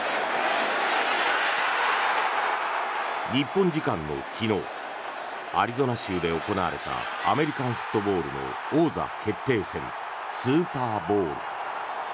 日本時間の昨日アリゾナ州で行われたアメリカンフットボールの王座決定戦、スーパーボウル。